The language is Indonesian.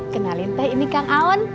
kenalin teh ini kang awan